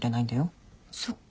そっか。